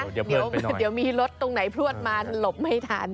เดี๋ยวมีรถตรงไหนพลวดมาหลบไม่ทัน